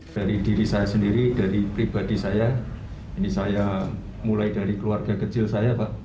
dari diri saya sendiri dari pribadi saya ini saya mulai dari keluarga kecil saya pak